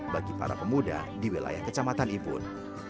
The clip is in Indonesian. bagi para pemuda di wilayah kecamatan ibun